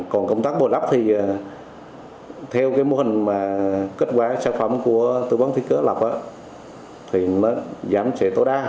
còn công tác bổ lắp thì theo cái mô hình kết quả sản phẩm của tư vấn thiết kế lập thì nó giảm sẽ tối đa